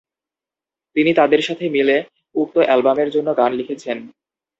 তিনি তাদের সাথে মিলে উক্ত অ্যালবামের জন্য গান লিখেছেন।